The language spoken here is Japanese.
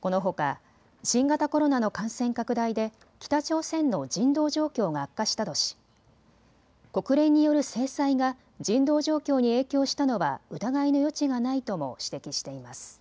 このほか新型コロナの感染拡大で北朝鮮の人道状況が悪化したとし国連による制裁が人道状況に影響したのは疑いの余地がないとも指摘しています。